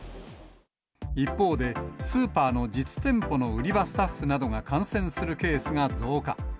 一方で、スーパーの実店舗の売り場スタッフなどが感染するケースが増加。